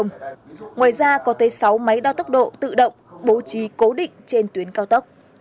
ngoài ra có tới sáu máy đo tốc độ tự động bố trí cố định trên tuyến cao tốc